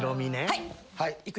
はい！